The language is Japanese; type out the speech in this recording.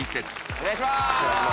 お願いします